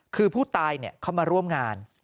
คือผู้ตายเขามาร่วมงาน